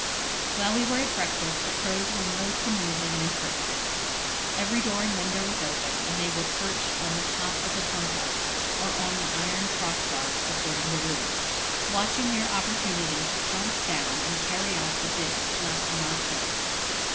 While we were at breakfast the crows were most amusing and impertinent. Every door and window was open, and they were perched on the top of the punkah, or on the iron crossbars supporting the roof, watching their opportunity to pounce down and carry off the bits left on our plates.